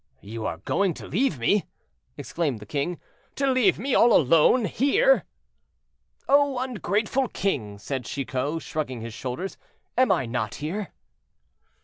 "You are going to leave me!" exclaimed the king; "to leave me all alone here?"—"Oh! ungrateful king," said Chicot, shrugging his shoulders, "am I not here?"